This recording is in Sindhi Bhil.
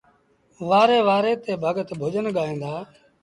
وآري وآري تي ڀڳت ڀُڄن ڳائيٚݩ دآ